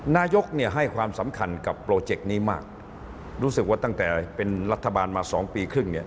นายกเนี่ยให้ความสำคัญกับโปรเจกต์นี้มากรู้สึกว่าตั้งแต่เป็นรัฐบาลมาสองปีครึ่งเนี่ย